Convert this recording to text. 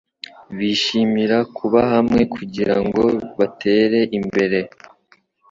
Bishimira kuba hamwe kugirango batere imbere